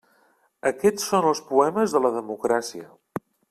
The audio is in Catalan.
Aquests són els poemes de la democràcia.